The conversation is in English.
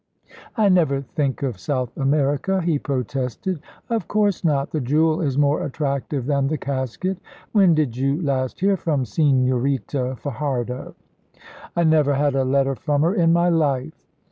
"I never think of South America," he protested. "Of course not. The jewel is more attractive than the casket. When did you last hear from Señorita Fajardo?" "I never had a letter from her in my life."